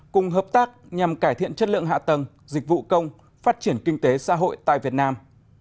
cùng hợp tác nhằm cải thiện chất lượng hạ tầng dịch vụ công phát triển kinh tế xã hội tại việt nam